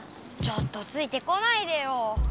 ちょっとついて来ないでよ！